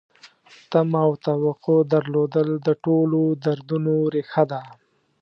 تمه او توقع درلودل د ټولو دردونو ریښه ده.